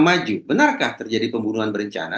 maju benarkah terjadi pembunuhan berencana